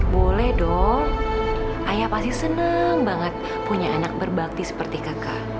boleh dong ayah pasti senang banget punya anak berbakti seperti kakak